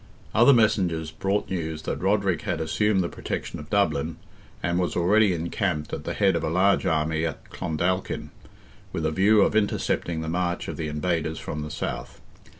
Other messengers brought news that Roderick had assumed the protection of Dublin, and was already encamped at the head of a large army at Clondalkin, with a view of intercepting the march of the invaders from the south.